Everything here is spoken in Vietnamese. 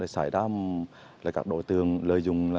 xảy ra các đội tường lợi dụng